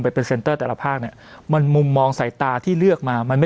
เป็นเซ็นเตอร์แต่ละภาคเนี่ยมันมุมมองสายตาที่เลือกมามันไม่